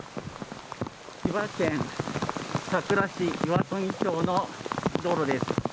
千葉県佐倉市岩富町の道路です。